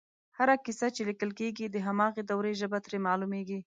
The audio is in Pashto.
هره کیسه چې لیکل کېږي د هماغې دورې ژبه ترې معلومېږي